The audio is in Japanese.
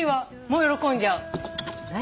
もう喜んじゃう。